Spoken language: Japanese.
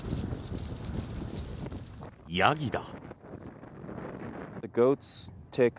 ヤギだ。